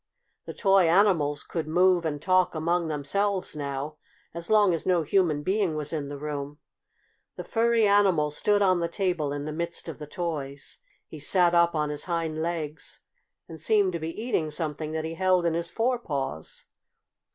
The toy animals could move and talk among themselves now, as long as no human being was in the room. The furry animal stood on the table in the midst of the toys. He sat up on his hind legs and seemed to be eating something that he held in his forepaws.